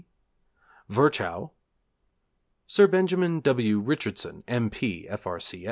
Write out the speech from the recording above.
C.P. Virchow Sir Benjamin W. Richardson, M.P., F.R.